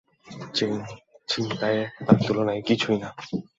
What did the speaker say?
Chain ছিনতাই তার তুলনায় কিছুই না।